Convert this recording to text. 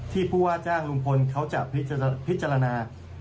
ผู้ว่าจ้างลุงพลเขาจะพิจารณา